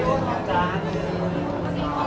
โอเคค่ะ